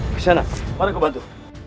ke sana aku akan membantu